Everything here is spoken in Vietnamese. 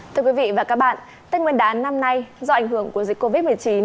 thưa quý vị và các bạn tết nguyên đán năm nay do ảnh hưởng của dịch covid một mươi chín